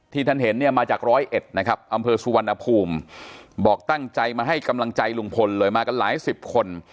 ท่านเห็นเนี่ยมาจากร้อยเอ็ดนะครับอำเภอสุวรรณภูมิบอกตั้งใจมาให้กำลังใจลุงพลเลยมากันหลายสิบคน